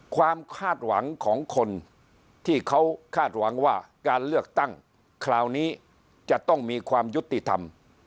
ความคาดหวังของคนที่เขาคาดหวังว่าการเลือกตั้งคราวนี้จะต้องมีความยุติธรรม